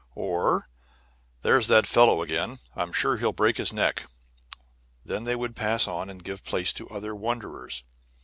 or "There's that fellow again; I'm sure he'll break his neck!" Then they would pass on and give place to other wonderers.